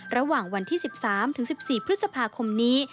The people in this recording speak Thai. ระหว่างวันที่๑๓๑๔พฤษภาคมนี้